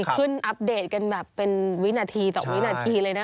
อัปเดตกันแบบเป็นวินาทีต่อวินาทีเลยนะ